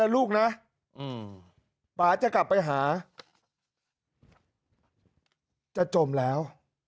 ลูกนะป่าจะกลับไปหาจะจมแล้ว